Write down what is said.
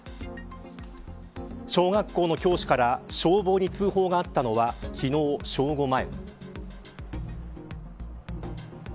小学校の教師から消防に通報があったのは昨日正午前。